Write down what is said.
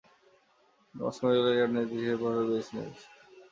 তিনি Moscow medical অ্যাকাডেমিতে চিকিৎসাশাস্ত্রে পড়াশোনার পথ বেছে নিয়েছিলেন।